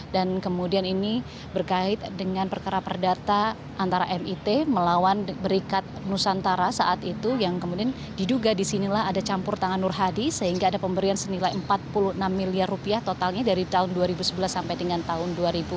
dan kemudian ini berkait dengan perkara perdata antara mit melawan berikat nusantara saat itu yang kemudian diduga disinilah ada campur tangan nur hadi sehingga ada pemberian senilai empat puluh enam miliar rupiah totalnya dari tahun dua ribu sebelas sampai dengan tahun dua ribu enam belas